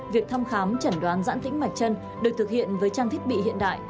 việc thăm khám chẩn đoán giãn tính mạch chân được thực hiện với trang thiết bị hiện đại